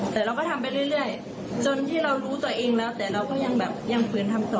แต่เราก็ทำไปเรื่อยจนที่เรารู้ตัวเองแล้วแต่เราก็ยังแบบยังฝืนทำต่อ